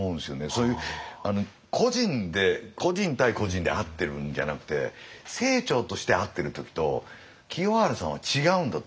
そういう個人で個人対個人で会ってるんじゃなくて清張として会ってる時と清張さんは違うんだと僕は。